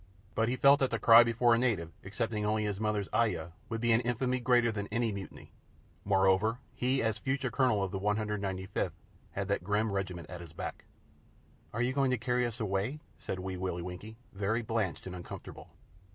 But he felt that to cry before a native, excepting only his mother's ayah, would be an infamy greater than any mutiny. Moreover, he as future Colonel of the 195th, had that grim regiment at his back. "Are you going to carry us away?" said Wee Willie Winkie, very blanched and uncomfortable.